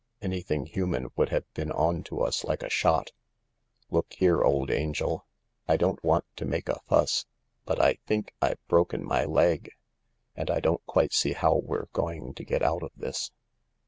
Any thing human would have been on to us like a shot. Look here, old angel. I don't want to make a fuss — but I think I've broken my leg. And I don't quite see how we're going to get out of this."